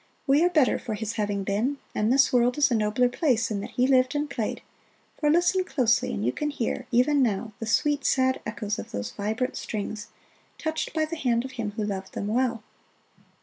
We are better for his having been and this world is a nobler place in that he lived and played, for listen closely and you can hear, even now, the sweet, sad echoes of those vibrant strings, touched by the hand of him who loved them well.